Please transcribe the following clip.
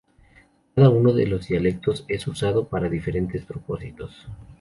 Cada uno de los dialectos es usado para diferentes propósitos.